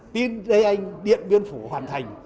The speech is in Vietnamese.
tin đây anh điện biên phủ hoàn thành